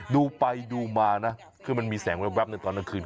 ดูไปดูมามันมีแสงแบบตอนกลางคืน